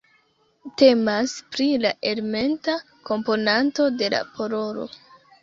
Temas pri la elementa komponanto de la parolo.